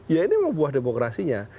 ya ini memang buah demokrasinya